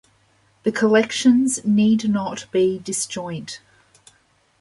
The collections need not be disjoint.